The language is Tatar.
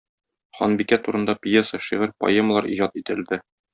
Ханбикә турында пьеса, шигырь, поэмалар иҗат ителде.